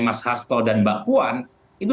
mas hasto dan mbak puan itu